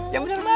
ya bener baik